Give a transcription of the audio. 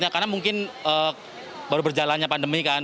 karena mungkin baru berjalannya pandemi kan